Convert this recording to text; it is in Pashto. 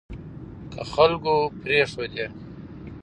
که خلکو پرېښودې